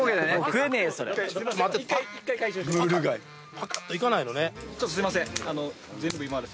パカッといかないのね。